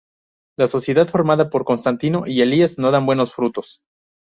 La sociedad formada por Constantino y Elías no da buenos frutos.